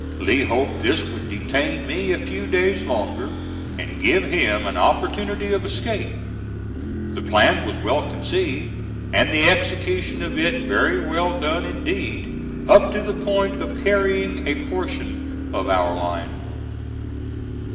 Lee hoped this would detain me a few days longer and give him an opportunity of escape. The plan was well conceived and the execution of it very well done indeed, up to the point of carrying a portion of our line.